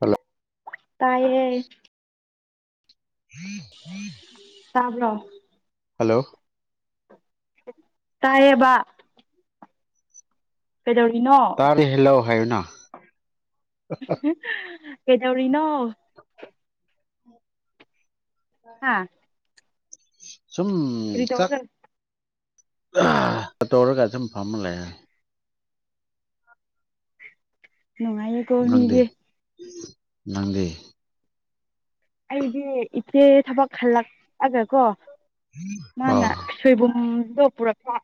hello ꯇꯥꯏꯌꯦ ꯇꯕ꯭ꯔꯣ hello ꯇꯥꯏꯌꯦꯕ ꯀꯩꯗꯧꯔꯤꯅꯣ ꯍꯥꯏꯌꯣꯅ ꯀꯩꯗꯧꯔꯤꯅꯣ [inaudible] ꯍꯥ ꯁꯨꯝ ꯀꯔꯤ ꯀꯛ ꯇꯧꯔꯒ ꯇꯣꯔꯒ ꯁꯨꯝ ꯐꯝꯃ ꯂꯩꯔꯦ ꯅꯨꯡꯉꯥꯏꯌꯦꯀꯣ ꯅꯪꯗꯤ ꯃꯤꯗꯤ ꯅꯪꯗꯤ ꯑꯩꯗꯤ ꯏꯆꯦ ꯊꯕꯛ ꯍꯜꯂꯛꯑꯒ ꯀꯣ ꯑꯣ ꯃꯥꯅ ꯁꯣꯏꯕꯨꯝꯗꯣ ꯄꯨꯔꯛꯄ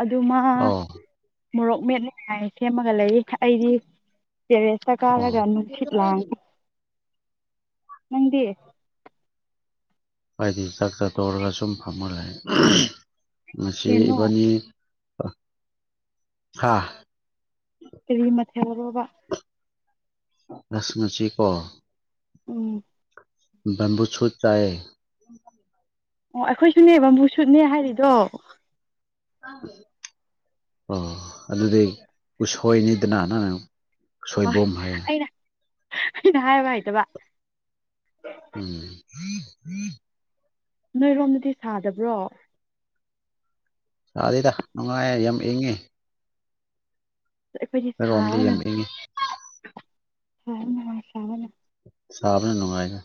ꯑꯗꯨ ꯃꯥ ꯑꯣ ꯃꯣꯔꯣꯛ ꯃꯦꯠꯅꯤꯉꯥꯏ ꯁꯦꯝꯃꯒ ꯂꯩ ꯑꯩꯗꯤ ꯇꯦꯔꯦꯁꯇ ꯑꯣ ꯀꯥꯔꯒ ꯅꯨꯡꯁꯤꯠ ꯂꯥꯡꯉꯤ ꯅꯪꯗꯤ ꯍꯥꯏꯗꯤ ꯆꯥꯛ ꯆꯥ ꯀꯩ ꯇꯣꯛꯔꯒ ꯁꯨꯝ ꯐꯪꯝꯃ ꯂꯩ ꯉꯁꯤ ꯃꯊꯦꯜꯅꯣ ꯏꯕꯥꯅꯤ ꯍꯥꯥ ꯀꯔꯤ ꯃꯊꯦꯜꯔꯣꯕ ꯉꯁꯤ ꯉꯁꯤꯀꯣ ꯎꯝ ꯕꯦꯝꯕꯨ ꯁꯨꯠ ꯆꯥꯏꯑꯦ ꯑꯣ ꯑꯈꯣꯏꯁꯨꯅꯦ ꯕꯦꯝꯕꯨ ꯁꯨꯠꯅꯦ ꯍꯥꯏꯔꯤꯗꯣ ꯑꯣ ꯑꯗꯨꯗꯤ ꯎꯁꯣꯏꯅꯤꯗꯅ ꯅꯪꯅ ꯍꯣꯏ ꯁꯣꯏꯕꯨꯝ ꯍꯥꯏꯌꯦ ꯑꯩꯅ ꯑꯩꯅ ꯍꯥꯏꯕ ꯍꯩꯇꯕ ꯎꯝ ꯅꯣꯏꯔꯣꯝꯗꯗꯤ ꯁꯥꯗꯕ꯭ꯔꯣ ꯁꯥꯗꯦꯗ ꯅꯨꯡꯉꯥꯏ ꯌꯥꯝ ꯏꯪꯉꯤ ꯑꯩꯈꯣꯏꯗꯤ ꯑꯈꯣꯏꯔꯣꯝꯗꯤ ꯌꯝ ꯏꯪꯉꯤ [unintelligible] ꯌꯥꯝ ꯁꯥꯕꯅꯦ ꯁꯥꯕꯅ ꯅꯨꯡꯉꯥꯏꯍꯦ